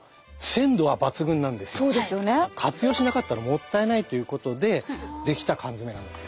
活用しなかったらもったいないということで出来た缶詰なんですよ。